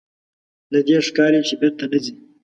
له دې ښکاري چې بېرته نه ځې.